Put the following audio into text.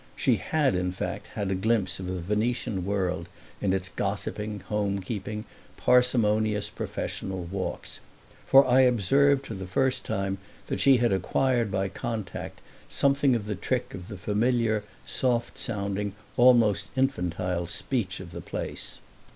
She had in fact had a glimpse of the Venetian world in its gossiping, home keeping, parsimonious, professional walks; for I observed for the first time that she had acquired by contact something of the trick of the familiar, soft sounding, almost infantile speech of the place.